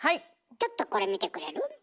ちょっとこれ見てくれる？